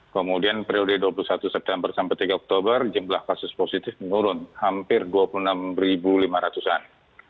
kemudian periode dua puluh satu september sampai tiga oktober jumlah kasus positif menurun hampir dua puluh enam lima ratus an